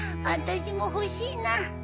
あたしも欲しいな。